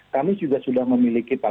kami juga sudah memiliki